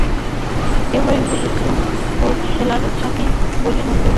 কেহই উপযুক্ত খেলার সাখী বলিয়া মনে হইল না।